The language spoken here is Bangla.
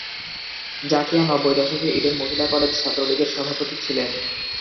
জাকিয়া নব্বই দশকে ইডেন মহিলা কলেজ ছাত্রলীগের সভাপতি ছিলেন।